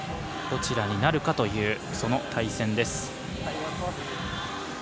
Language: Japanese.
どちらになるかというその対戦です。